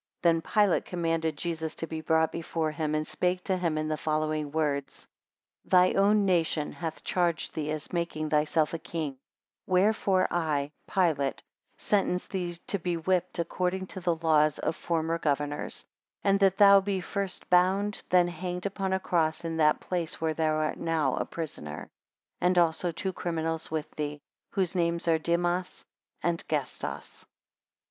22 Then Pilate commanded Jesus to be brought before him, and spake to him in the following words; 23 Thy own nation hath charged thee as making thyself a king; wherefore I, Pilate, sentence thee to be whipped according to the laws of former governors; and that thou be first bound, then hanged upon a cross in that place where thou art now a prisoner; and also two criminals with thee, whose names are Dimas and Gestas.